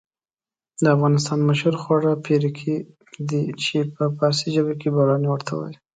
د افغانستان مشهور خواړه پيرکي دي چې په فارسي ژبه کې بولانى ورته وايي.